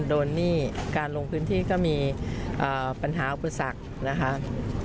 หนี้การลงพื้นที่ก็มีปัญหาอุปสรรคนะครับ